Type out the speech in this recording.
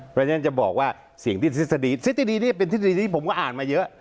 เพราะฉะนั้นจะบอกว่าเสียงที่ทฤษฎีทฤษฎีนี่เป็นทฤษฎีที่ผมก็อ่านมาเยอะ